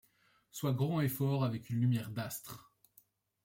Sois grand et fort avec une lumière d’astre ;